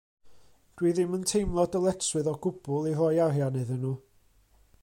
Dw i ddim yn teimlo dyletswydd o gwbl i roi arian iddyn nhw.